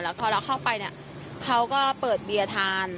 แล้วพอเราเข้าไปเขาก็เปิดเบียดทาน